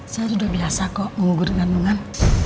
saya udah biasa kok mengugur kandungan